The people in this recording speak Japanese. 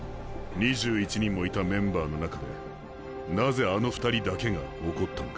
２１人もいたメンバーの中でなぜあの２人だけが怒ったのか？